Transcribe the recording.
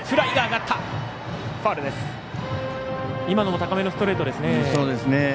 今のも高めのストレートです。